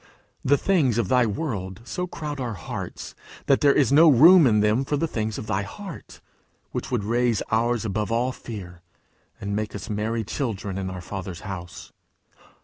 The things of thy world so crowd our hearts, that there is no room in them for the things of thy heart, which would raise ours above all fear, and make us merry children in our Father's house!